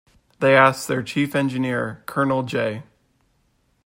They asked their Chief Engineer Colonel J.